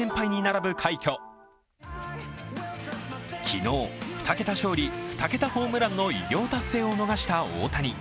昨日、２桁勝利・２桁ホームランの偉業達成を逃した大谷。